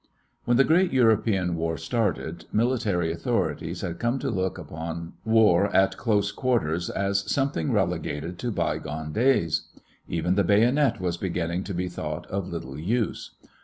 When the great European war started, military authorities had come to look upon war at close quarters as something relegated to bygone days. Even the bayonet was beginning to be thought of little use.